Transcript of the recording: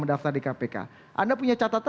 mendaftar di kpk anda punya catatan